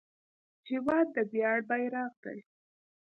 هېواد د ویاړ بیرغ دی.